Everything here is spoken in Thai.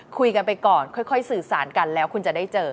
คุยกันไปก่อนค่อยสื่อสารกันแล้วคุณจะได้เจอ